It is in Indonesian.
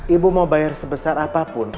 ibu mau bayar sebesar apapun